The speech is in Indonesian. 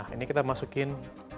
nah ini kita masukin